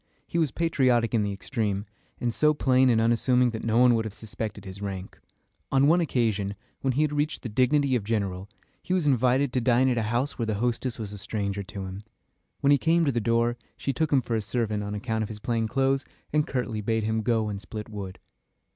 He was patriotic in the extreme, and so plain and unassuming that no one would have suspected his rank. On one occasion, when he had reached the dignity of general, he was invited to dine at a house where the hostess was a stranger to him. When he came to the door, she took him for a servant, on account of his plain clothes, and curtly bade him go and split wood.